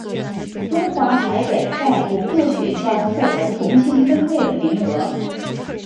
中华台北在无舵雪橇获得重新分配的名额。